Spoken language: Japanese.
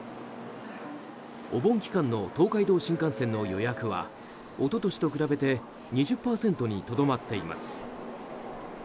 お盆期間の東海道新幹線の予約は一昨年と比べて２０％にとどまっています。